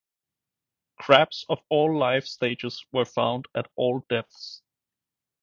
Crabs of all life stages were found at all depths.